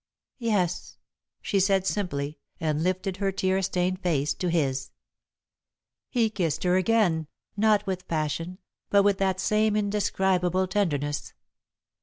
"Yes," she said, simply, and lifted her tear stained face to his. He kissed her again, not with passion, but with that same indescribable tenderness.